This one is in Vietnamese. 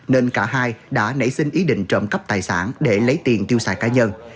nên cả hai đã nảy sinh ý định trộm cắp tài sản để lấy tiền tiêu xài cá nhân